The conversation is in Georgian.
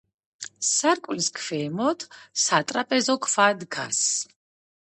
სარკმლის ქვემოთ სატრაპეზო ქვა დგას.